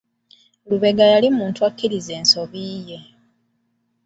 Lubega yali muntu akkiriza ensobi ye.